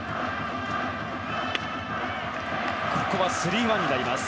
スリーワンになります。